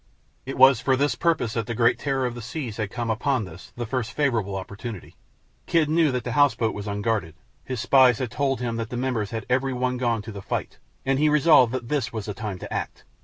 It was for this purpose that the great terror of the seas had come upon this, the first favorable opportunity. Kidd knew that the house boat was unguarded; his spies had told him that the members had every one gone to the fight, and he resolved that the time had come to act.